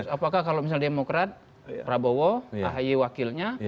apakah kalau misalnya demokrat prabowo ahi wakilnya